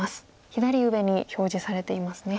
左上に表示されていますね。